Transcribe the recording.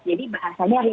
jadi bahasanya retainer